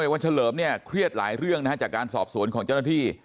วันเฉลิมเนี่ยเครียดหลายเรื่องนะฮะจากการสอบสวนของเจ้าหน้าที่